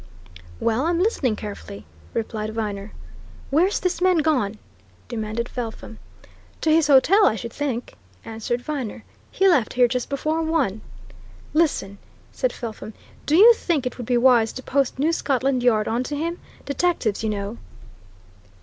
"Well I'm listening carefully," replied Viner. "Where's this man gone?" demanded Felpham. "To his hotel, I should think," answered Viner. "He left here just before one." "Listen!" said Felpham. "Do you think it would be wise to post New Scotland Yard on to him detectives, you know?"